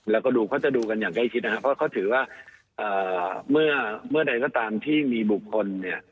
แล้วก็ดูเขาจะดูกันอย่างใกล้ชิดนะครับเพราะเขาถือว่าเมื่อใดก็ตามที่มีบุคคลเนี่ย